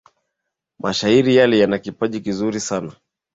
Mshahiri yule anakipaji kizuri sana